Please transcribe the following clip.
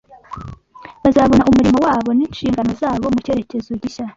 bazabona umurimo wabo n’inshingano zabo mu cyerekezo gishya.